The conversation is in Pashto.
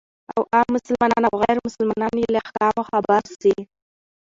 او عام مسلمانان او غير مسلمانان يې له احکامو خبر سي،